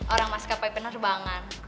orang maskapai penerbangan